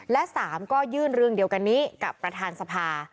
และ๓ก็ยื่นเรื่องเดียวกันนี้กับประธานสภา